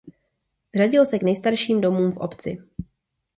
Řadil se k nejstarším domům v obci.